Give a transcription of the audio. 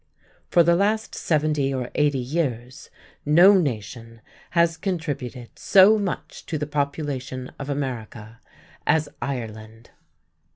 For the last seventy or eighty years, no nation has contributed so much to the population of America as Ireland."